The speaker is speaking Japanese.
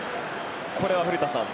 これは古田さん。